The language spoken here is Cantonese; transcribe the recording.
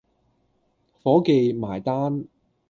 伙記，埋單